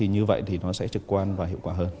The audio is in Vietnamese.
như vậy thì nó sẽ trực quan và hiệu quả hơn